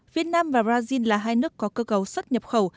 việt nam và brazil là hai nước có cơ cấu xuất nhập khẩu